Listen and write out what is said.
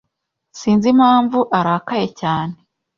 Sinzi impamvu arakaye cyane.